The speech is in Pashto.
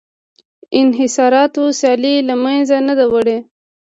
انحصاراتو سیالي له منځه نه ده وړې